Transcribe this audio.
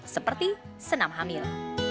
seperti senam hamil